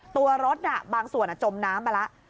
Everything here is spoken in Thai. ตัวรถบางส่วนจมน้ำมาแล้ว